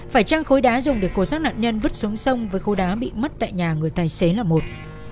phải chăng khối đá dùng để cổ sát nạn nhân vứt xuống sông với khối đá bị mất tại nhà người tài xế là một